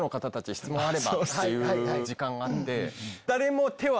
質問あれば」っていう時間があって。